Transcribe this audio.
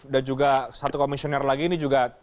dan juga satu komisioner lagi ini juga